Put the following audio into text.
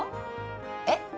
えっ？